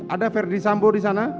ada ferdi sambo disana